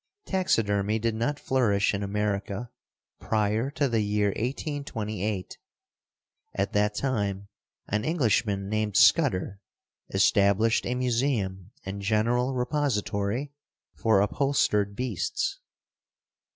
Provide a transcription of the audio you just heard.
Taxidermy did not flourish in America prior to the year 1828. At that time an Englishman named Scudder established a museum and general repository for upholstered beasts.